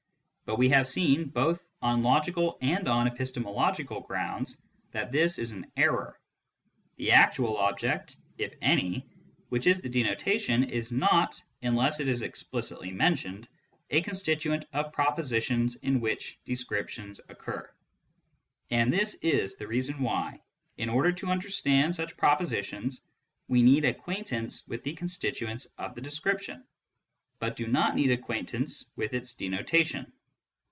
But we have seen, both on logical and on epistemological grounds, that this is an error. The actual object (if any) which is the denotation is not (unless it is explicitly mentioned) a constituent of propositions in which descriptions occur ; and this is the reason why, in order to understand such propositions, we need acquaintance with the constituents of the description, but do not need acquaintance with its denotation.